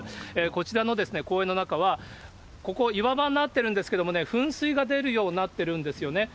こちらの公園の中は、ここ岩場になっているんですけれども、噴水が出るようになっているんですね。